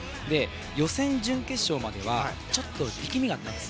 予選、準決勝まではちょっと力みがあったんです。